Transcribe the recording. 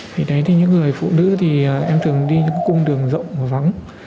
vì đấy thì những người phụ nữ thì em thường đi những cung đường rộng và vắng